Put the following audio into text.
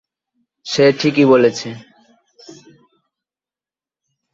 সে ঠিকই বলেছে।